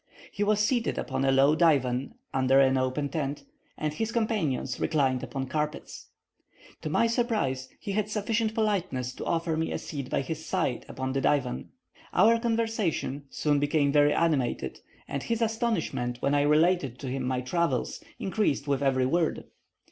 He was seated upon a low divan under an open tent, and his companions reclined upon carpets. To my surprise, he had sufficient politeness to offer me a seat by his side upon the divan. Our conversation soon became very animated, and his astonishment when I related to him my travels increased with every word.